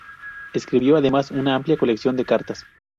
Escribió además una amplia colección de cartas.